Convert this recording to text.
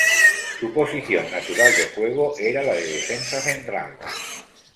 Su posición natural de juego era la de defensa central.